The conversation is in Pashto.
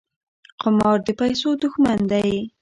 قمار د پیسو دښمن دی.